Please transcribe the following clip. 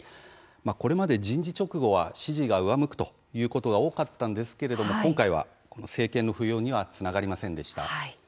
これまで人事直後は支持が上向くということが多かったんですけれども今回は、政権の浮揚にはつながりませんでした。